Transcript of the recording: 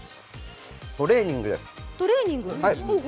トレーニング。